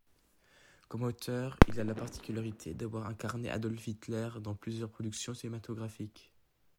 Comme acteur, il a la particularité d'avoir incarné Adolf Hitler dans plusieurs productions cinématographiques.